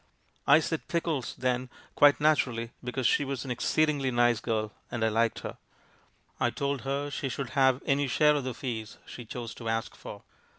I said 'Pickles!' then, quite naturally, because she was an exceedingly nice girl, and I liked her. I told her she should have any share of the fees she chose to ask for.